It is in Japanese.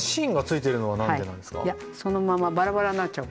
いやそのままバラバラになっちゃう。